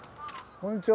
こんにちは。